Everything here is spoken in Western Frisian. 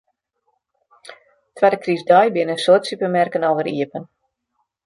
Twadde krystdei binne in soad supermerken alwer iepen.